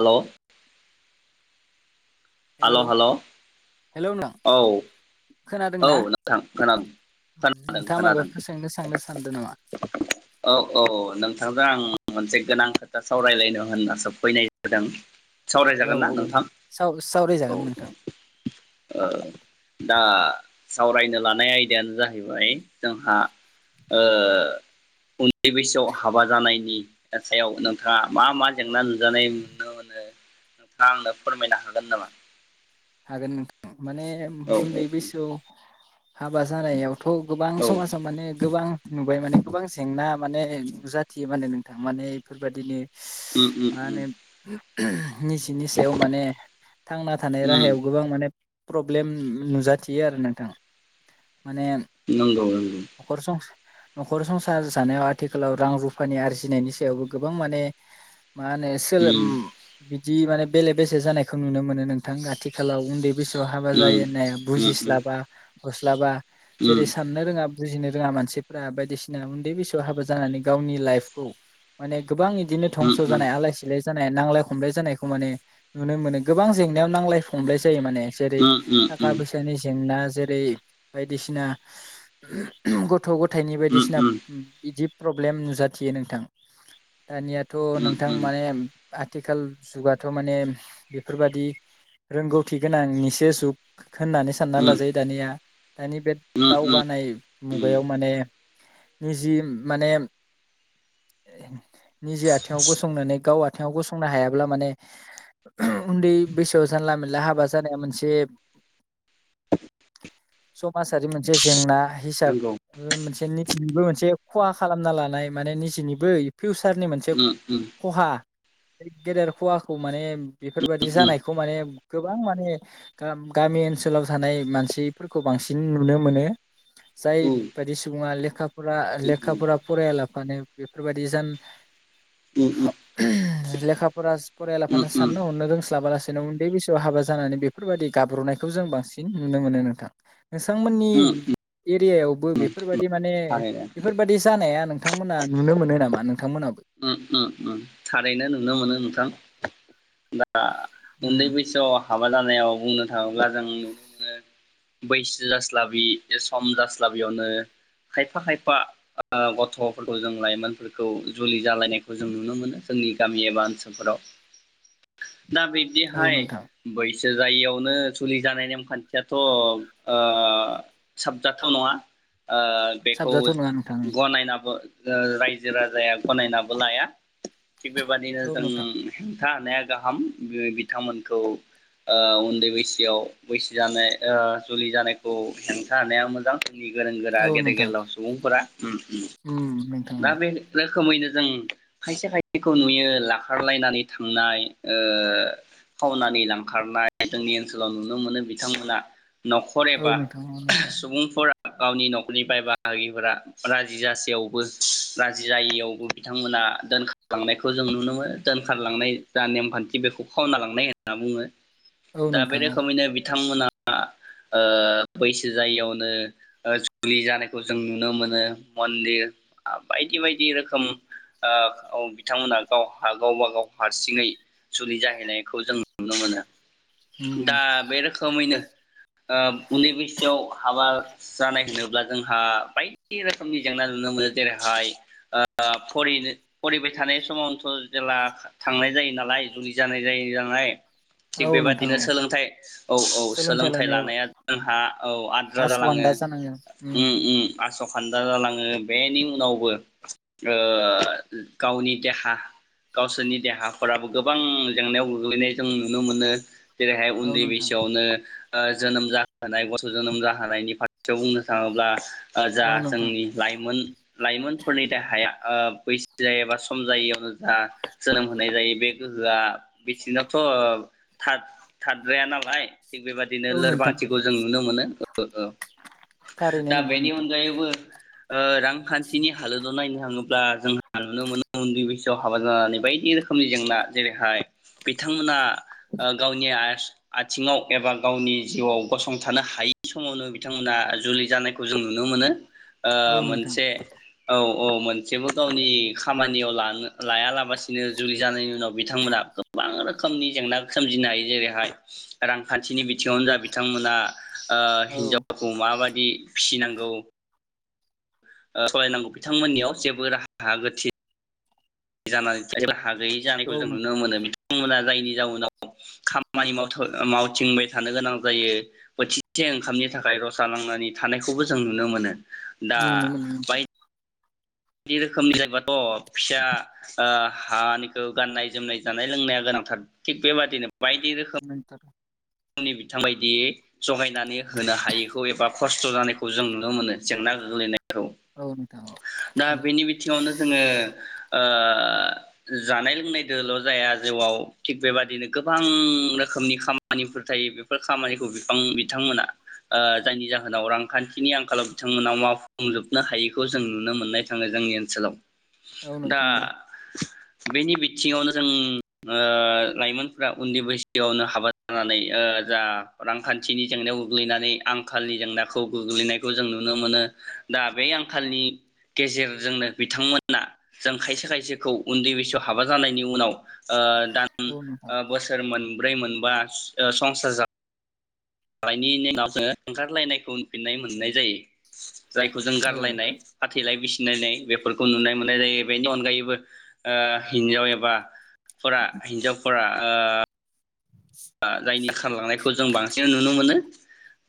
आल' hello hello hello hello नों औ औ खोनादोंना नोंथां खोना खोनादों नोंथाङा खोनादों मायबाफोर सोंनो सांनो सानदों नामा औ औ औ नोंथांजों आं मोनसे गोनां खोथा सावरायलायनो होनना सो फैनाय जादों औ सावरायजागोन ना औ नोंथां? साव औ सावरायजागोन नोंथां ओ दा सावरायनो लानाय आयदायानो जाहैबाय जोंहा ओ उन्दै बैसोआव हाबा जानायनि सायाव नोंथाङा मा मा जेंना नुजानाय नुनो मोनो नोंथाङा आंनो फोरमायनो हागोन नामा? हागोन नोंथां माने औ उन्दै बैसोआव हाबा जानायाव थ' गोबां औ समाजाव माने गोबां नुबाय माने गोबां जेंना माने नुजाथियो माने नोंथां माने इफोरबायदि उम उम उम [unintelligible] निजिनि सायाव माने थांना थानाया उम राहायाव गोबां माने प्रब्लेम नुजाथियो आरो नोंथां। माने नंगौ नंगौ न'खर सं न'खर संसार जानायाव आथिखालाव रां रुफानि आरजिनायनि सायावबो गोबां माने मा होनो सोलोम उम उम जि माने बेले बेसे जानायखौ नुनो मोनो नों थां आथिाखालाव उन्दै बैसोआव हाबा उम जायो होननाया उम उम बुजिस्लाबा गस्लाबा उम जेरै साननो रोङा बुजिनो रोङा मानसिफ्रा बायदिसिना उन्दै बैसोआव हाबा जानानै गावनि लाइफखौ माने गोबां इदिनो उम धंस' उम जानाय आलाय सिलाय नांलाय खमलाय जानायखौ माने नुनो मोनो गोबां जें [inaudible] नांलाय खमलायस जायो माने जेरै उम थाखा फैसानि जेंना जेरै बायदिसिना ग थ' गथायाइनिबो उम दिसिनाब बिदिब प्रब्लेम नुजाथियो नोंथां। दानियाथ उम नोंथां माने थेखाल जुगाथ' माने बेफोरबादि रोंगौथि गोनां निसो जुख खोननानै सानना लाजायो दानिया। दानि बेद उम उम दावगानाय उम मुगायाव माने निजिम माने निजे आथिङाव गसंनानै गाव आथ थिङाव गसंनो हायाब्ला माने उन्दै बैसो जानला मोनला हाबा जानाया मोनसेब समासारि मोनसे जेंना। हिसाब नंगौ ओ मोनसेनि थिनिबो मोनसे ख'हा खालामना लानाय माने निजिनिबो फिउसारनि मोनसे उम उम ख'हा। एगेदेरखुवाखु माने बेफोरबादि उम जानायख खौ माने गोबां माने गाम गामि ओनसोलाव जानाय मानसिफोरखौ बांसिन नुनो मोनो। जाय उम बायदि सुबुंङा लेखा। फुरा लेखा फोरा फरायाला माने बेफोरबादि जान उ उ लेखाब। फरास फरायलाफानो साननो हरनो रोंस्लाबालास जेनाव उन्दै बैसोआव हाबा जानानै बेफोरबादि गाब्र'नायखौ जों बांसिन नुनो मोनो नोंथां। नोंथा़ मोननि उम एरियायावबो बे फोरबादि माने थारैनो बेफोरबादि जानाया नों थांमोना नुनो मोनो नामा नोंथां? उम्म उम्म उम्म थारैनो नुनो मोनो नोंथां। दा आं उन्दै उम बैसोआव। हाबा जानायाव बुंनो थाङोब्ला जों नुनो मोनो बैसो जास्लाबि सम जास्लाबियावनो खायफा खायफा ओ गथ'फोरखौ जों लाइमोनफोरखौ। जुलि जालायनायखौ जों नुनो मोनो जोंनि गामि एबा ओनसोलफोराव। दा औ बिदिहाय नोंथां बै सो जायैयावनो जुलि जानाय नेमखान्थियाथ' साबजाथाव नङा। ओ बेखौ साबजाथाव नङा नोंथां गनायनाबो ओ रायजो राजाया गनायनाबो लाया। थिग बेबादिनो औ नोंथां। जों। हेंथा हानाया गाहाम बिथांमोनखौ ओ उन्दै बैसोआव बैसो जानाय ओ जुलि जानायखौ हेंथा होनाया मोजां। जोंनि गोरों गोरा औ गेदेर नोंथां गोलाव सुबुंफोरा ओम - ओम उम नोंथां दा बे रोखोमैनो जों खायसे खायसेखौ नुयो लांखारलायनानै थांनाय ओ खावनानै लांखारनाय जोंनि ओनसोलाव नुनो मोनो बिथांमोना न'खर औ एबा नोंथां औ नोंथां सुबुंफोरा गावनि न'खरनि बाय बाहागिफोरा राजि जसेयावबो राजि जायियाव बिथांमोना दोनखारलांनायखौ जों नुनो मोनो दोनखारलांनाय जा नेमखान्थि बेखौ खावना लांनाय होनना बुङो। औ दा बे नोंथां औ रोखोमैनो बिथांमोना आ ओ बैसो जायियावनो ओ जुलि जानायखौ जों नुनो मोनो मन्दिर बायदि - बायदि रोखोम खोम ओ औ बिथांमोना गावहा गावब गाव हारसिङै जुलि जाहैनायखौ जों नुनो मोनो। उम दा बे रोखोमैनो ओ उन्दै बैसोआव हाबा जानाय होनोब्ला जोंहा बायदि रोखोमनि जेंना नुनो मोनो जेरैहाय ओ ओ फरिनो फरिबाय थानाय समावनोथ' जेला थांनाय जायो नालाय जुलि जानाय जायो नालाय। थिग औ नोंथां बेबादिनो औ सोलोंथाइ औ - औ सोलोंथाइ लानाया जोंहा औ आद्रा जालाङो आस'आन्दा जानांगोन उम - उम आस' फानजा जालाङो बेनि उनावबो ओ गावनि देहा गावसोरनि देहाफोराबो गोबां जेंनायाव गोग्लैनाय जों नुनो मोनो। जेरैहाय औ उन्दै नोंथां बैसोआवनो ओ जोनोम जाहोनाय गथ' जोनोम जाहोनायनि फारसेयाव बुंनो थाङोब्ला ओ जा औ नोंथां जोंनि लाइमोन लाइमोनफोरनि हाया ओ बैसो जायाबा सम जायैयावनो जा जोनोम होनाय जायो बे गोहोआ बेसि नाथ' ओ था थाद्राया नालाय। थिग बेबायदिनो औ नोंथां लोरबांथिखौ जों नुनो ओ मोनो थारैनो दा नंगौ बेनि नोंथां अनगायैबो ओ रांखान्थिनि हालोद नायनो थाङोब्ला जोंहा नुनो मोनो उन्दै बैसोआव हाबा जानानै बायदि रोखोमनि जेंना जेरैहाय बिथांमोना ओ गावनि आयेस आथिङाव एबा गावनि जिउआव गसंथानो हायै समावनो बिथांमोना जुलि जानायखौ जों नुनो मोनो। ओ औ नोंथां मोनसे औ औ मोनसेबो गावनि खामानियाव लानो लायालाबसिनो जुलि जानायनि उनाव बिथांमोना गोबां रोखोमनि जेंना सोमजिनो हायो जेरैहाय रांखान्थिनि बिथिङावनो जा बिथांमोना ओ औ हिनजावखौ माबाद बि फिसिनांगौ ओ सलायनांगौ बिथांमोननियाव जेबो राहा गोथे जानानै जेब्ला हाग गैयि जानायखौ औ जों नुनो नोंथां औ मोनो बिथांमोना जायनि जाउनाव खामानि माव मावथिंबाय थानो गोनां जायो बोथिसे ओंखामनि थाखाय रसा नांनानै थानायखौबो जों नुनो मोनो। दा नुनो मोनो नोंथां बाय बायदि रोखोमनि जायोबाथ' फिसा ओ हानिखौ गाननाय जोमनाय जानाय लोंनाया गोनांथार थिग बेबादिनो बायदि रोखोम नोंथां आंनि बिथांबायदि जगायनानै होनो हायैखौ एबा खरस खस्थ' जानायखौ जों नुनो मोनो जेंना गोग्लैनाय औ नोंथां औ दा बेनि बिथिङावनो जोङो ओ ओ जानाय लोंनायदोल' जाया जिउआव थिग बेबादिनो गोबां रोखोमनि खामा खामानिफोर थायो बेफोर खामानिखौ बिथां बिथांमोना जायनि जाहोनाव रांखान्थिनि आंखालाव बिथांमोनाव मावफुंजोबनो हायिखौ जों नुनो मोननाय थाङो जोंनि ओनसोलाव। औ दा नोंथां औ बेनि बिथिङावनो जों ओ लाइमोनफ्रा उन्दै बैसोआवनो हाबा जानानै जा रांखान्थिनि जेंनायाव गोग्लैनानै आंखालनि जेंनाखौ गोग्लैनायखौ जों नुनो मोनो दा बे आंखालनि गेजेरजोंनो बिथांमोना जों खायसे खायसेखौ उन्दै बैसोआव हाबा जानायनि उनाव ओ दान औ नोंथां ओ बोसोरमोन ब्रै मोनबा ओ संसार जा दानायनि उनाव जोङो ओंखारलायनायखौ उनफिन्नाय मोननाय जायो। जायखौ जों औ गारलायनाय फाथैलाय बिसि सिनायनाय बेफोरखौ नुनाय मोननाय जायो बेनि अनगायैबो ओ हिन्जाव एबा फरा हिन्जावफरा ओ जायनि खारलांनायखौ जों बांसिन नुनो मोनो।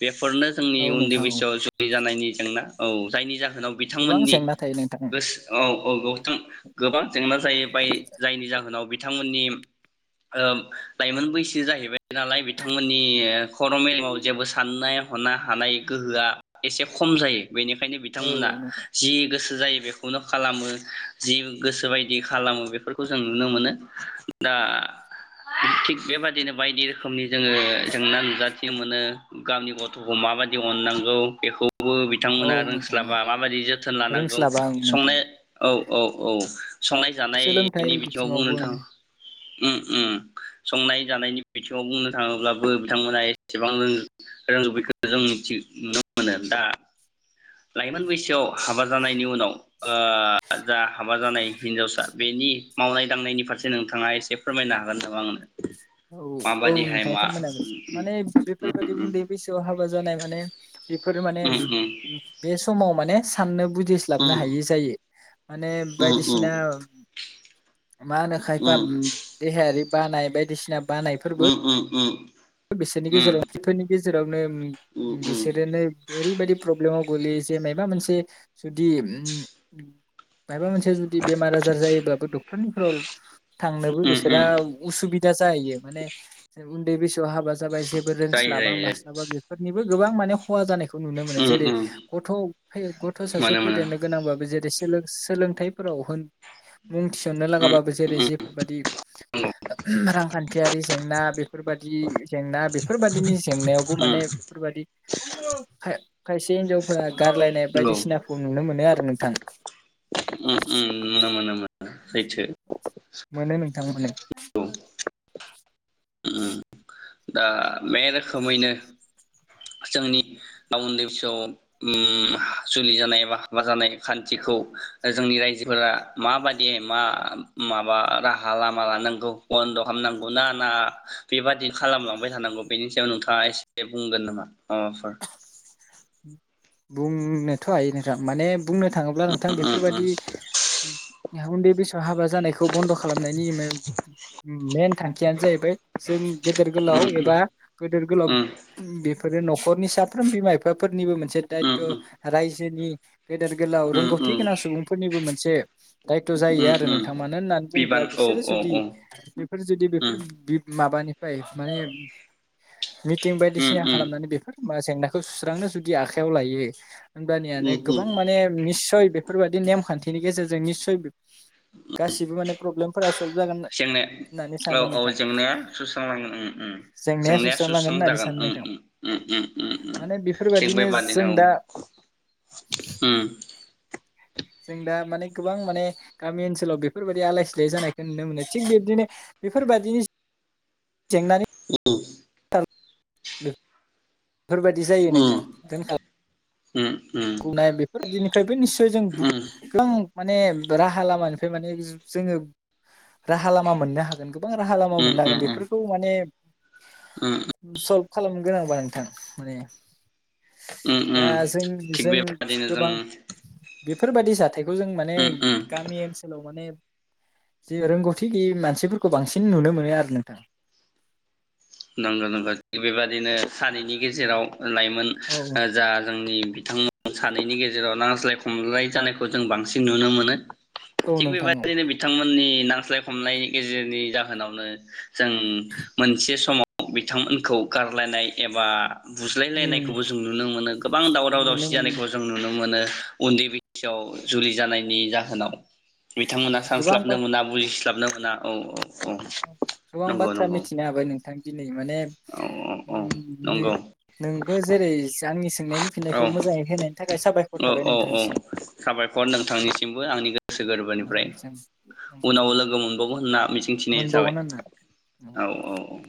बे फोरनो जोंनि औ उन्दै नोंथां औ बैसोआव जुलि जानायनि जेंना औ जायनि जाहोन उनाव गोबां बिथांमोननि जेंना थायो नोंथां गोसोआव औ नोंथां गोबां जेंना जायो बाय जायनि जाहोनाव बि बिथांमोननि ओ लाइमोन बैसो जाहैबाय नालाय बिथांमोननि खर' मेलेमाव जेबो साननाय हनो हानाय गोहोआ एसे खम जायो। बेनिखायनो औ बिथांमोना नोंथां जि गोसो गोसो जायो बेखौनो खालामो जि गोसो बायदि खालामो बेफोरखौ जों नुनो मोनो दा थिग बेबायदि नो बायदि रोखोमनि जोङो जेंना नुजाथि मोनो गावनि गथ'खौ माबायदि अननांगौ बेखौ बो औ बिथांमोना नोंथां रोंस्लाबा औ माबायदि जोथोन लानांगौ रोंस्लाबा आं नोंथां संनाय औ औ औ। संनाय सोलोंथाइ जानायनि बिथिङाव बुंनो बिथिङावबो थाङो। उ उ संनाय जानायनि बिथिङाव बुंनो थाङोब्लाबो बिथांमोना एसेबां रोंजोबैखौ जों मिथिनो मोनो दा। लाइमोन बैसोआव हाबा जानायनि उनाव ओ जा हाबा जानाय हिनजावसा बेनि मावनाय दांनायनि फारसे नोंथाङा एसे फोरमायनो हागोन नामा आंनो? औ औ माबादिहाय नोंथाङ मा फोरमायनो हांगोन माने बेफोरबायदि उन्दै बैसोआव हाबा जा नाय माने बेफोरो माने बे समाव माने साननो बुंदिस्लाब हायै जायो माने बायदिसिना मा होनो खायफा देहायारि बानाय बायदिसि उम उम उम। बिसोरनि गेजेराव [unintelligible] नोम बिसोरो नोम ओरै बायदि फ्रब ब्लेमाव गोलैयो जे मबा मोनसे जुदि ओम मायाबा मोनसे जुदि बेमार आार जायोब्लाबो डक थनिख्रल थांनोबो बिसोरा उसुबि जायो माने उन्दै बैस थ' हाबा ज जाबाय जेबो जायो जायो रोंस्लाबा मास्लाबा बेफोरनिबो गोबां माने खहा जानायखौ नुनो मोनो जेरै गथ' गथ' सासे मोनो मोनो फेदेरनो गोनांबाबो जेरै सोलोंथाइफोराव होन मुं थिसननो लागाबाबो जेरै नंगौ जेफोरबादि रांखान्थि थियारि जेंना बेफोरबाय दि जेंना बेफोरबायादिनि जेंनायावबो माने बेफोरबायदि खायसे हिनजावफोरा गारलायनाय बायदिसिनाखौ नुनो मोनो आरो नों थां उम उम मोनो मोनो मोनो सैथो मोनो नोंथां मोनो उम दा बे रोखोमैनो जोंनि उन्दैसोआव उम जुलि जानाय बा हाबा जानाय खान्थिखौ जोंनि रायजोफोरा माबादि मा माबा राहा लामा लानांगौ बन्द खालामनांगौ ना ना बेबादिनो खालामलांबाय थानांगौ बेनि स सायाव नोंथांङा एसे बुंगोन नामा अ सर बुंनोथ हायो नोंथां माने बुंनो थांङोब्ला नोंथां बेफोरबायदि उन्दै बैसो हाबा जानायखौ बन्द खालामनायनि मेन थांखियानो जाहैबाय जों गेदेर गोलाव एबा गदेर गोलाव बेफ फोरो नखरनि साफ्रोम बिमा बिफाफोरनिबो मोनसे दायथ रायज जोनि गेदेर गोलाव रोंगौथि गोनां सुबुंफोरनिबो मोन से दायथ जायो आरो नोंथां मानो होननानै बुङोब्ला बिबान औ बिसोरो जुदि बेफोर जुदि बेफोर बि माबानि बाय माने मिटिं औ बायदिसिना खालामनानै बेफोर मा जेंनाखौ सुस्रांनो जुदि आखा आखायाव लायो ओम बानियानो औ गोबां माने निसय बेफोरबबायदि नेमखान्थिनि गेजेरजों निस्सय गासिबो माने प्रब्लेमफोरा सल्भ जागोन जेंनाय होननानै औ सानो औ नोंथां जेंनाया सुस्रांलांगोन उम उम जेंनाया सुस्रांलांगोन सुस्रां होननानै जागोन सानो उम नोंथां उम उम उम माने थिग बेफोरबायदिनो बेबादि जों दा [unintelligible] उम जों दा माने गोबां माने गामि ओनसोलाव बेफोरबायदि आलाय सिलाय जानायखौ नुनो मोनो थिग बिब्दिनो बेफोरबायदिनि जेंना [unintelligible] [unintelligible] बेफोरबायदि जायो उम नोंथांङा दोनखा उम बुंनाय बेफोरबायदिनिफ्रायबो निस्सय जों [unintelligible] माने राहा लामानिफ्राय माने जोङो राहा लामा मोननो हागोन गोबां राहा लामा मोननो हागोन बेफोरखौ माने [unintelligible] उम [unintelligible] गोनांबा नोंथां माने उम दा उम जों थिग जों बेबादिनो जों गोबां बेफोरबादि जाथायखौ जों माने उम उम गामि ओनसोलाव माने जे रोंगौथि गैयि मानसिफोरखौ बांसिन नुनो मोनो आरो नोंथां नंगौ नंगौ थिग बेबादिनो सानैनि गेजेराव लाइमोन औ जा जोंनि बिथांमोन सानैनि गेजेराव नांज्लाय खमलाय जानायखौ जों बांसिन नुनो मोनो औ थिग नोंथां औ बेबायदिनो बिथांमोननि नांज्लाय खमनाय गेजेरनि जाहोनावनो जों मोनसे समाव बिथांमोनखौ गारलायनाय एबा उम बुज्लायलायनायखौबो जों नुनो मोनो गोबां दावराव दावसि नुनो मोनो जानायखौ नोंथां। जों नुनो मोनो उन्दै बैसोआव जुलि जानायनि जाहोनाव बिथांमोना गोबां सानस्लाबनो बा मोना बुजि [unintelligible] मोना औ औ औ गोबां नंगौ बाथ्रा नंगौ मिथिनो हाबाय नोंथां दिनै माने औ औ औ उम नो नंगौ नोंबो जेरै आंनि सोंनायनि फिननायखौ औ मोजाङै होनायनि थाखाय साबायखर औ थाबाय औ औ नोंथांनिसिम साबायखर नोंथांनिसिमबो आंनि गो गोसो गोरबोनिफ्राय उनाव लोगो मोनबावगौ होनना मिजिंथिनाय जाबाय मोनबावगोन होनना औ औ औ।